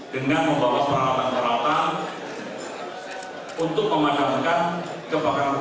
dengan membawa peralatan peralatan untuk memadamkan kebakaran hutan